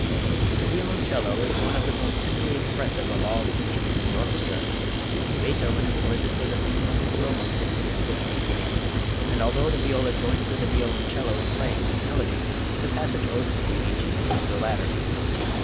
The violoncello is one of the most tenderly expressive of all the instruments in the orchestra. Beethoven employs it for the theme of the slow movement in his Fifth Symphony, and although the viola joins with the violoncello in playing this melody, the passage owes its beauty chiefly to the latter.